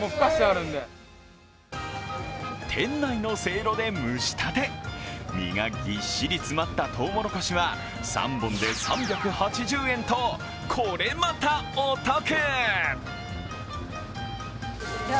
店内のせいろで蒸したて実がぎっしり詰まったとうもろこしは３本で３８０円と、これまたお得。